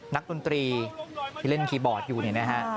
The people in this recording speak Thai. ดนตรีที่เล่นคีย์บอร์ดอยู่เนี่ยนะฮะ